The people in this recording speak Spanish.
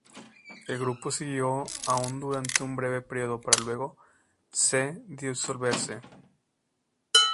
El grupo siguió aún durante un breve período para luego se disolverse.